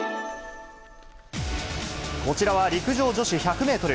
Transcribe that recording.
こちらは陸上女子１００メートル